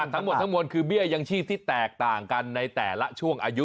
ทั้งหมดทั้งมวลคือเบี้ยยังชีพที่แตกต่างกันในแต่ละช่วงอายุ